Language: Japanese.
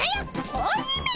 子鬼めら！